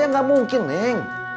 ya gak mungkin neng